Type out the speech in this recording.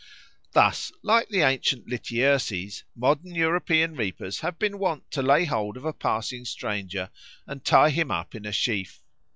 Thus, like the ancient Lityerses, modern European reapers have been wont to lay hold of a passing stranger and tie him up in a sheaf.